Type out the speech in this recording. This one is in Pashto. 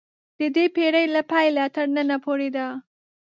د دې پېړۍ له پیله تر ننه پورې ده.